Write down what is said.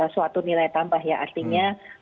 suatu nilai tambah artinya